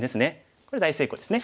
これ大成功ですね。